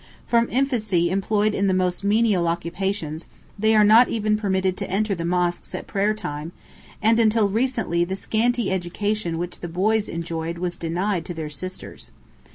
From infancy employed in the most menial occupations, they are not even permitted to enter the mosques at prayer time, and until recently the scanty education which the boys enjoyed was denied to their sisters.